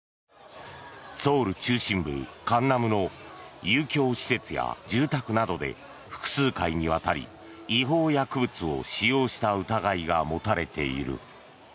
ソウル中心部・江南の遊興施設や住宅などで複数回にわたり違法薬物を使用した疑いが持たれている。